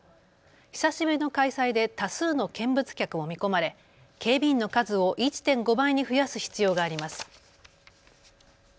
久しぶりの開催で多数の見物客も見込まれ警備員の数を１．５倍に増やす必要があります。